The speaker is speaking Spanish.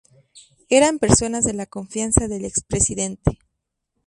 Eran personas de la confianza del expresidente.